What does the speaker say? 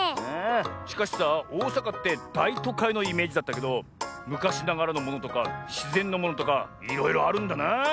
しかしさおおさかってだいとかいのイメージだったけどむかしながらのものとかしぜんのものとかいろいろあるんだな！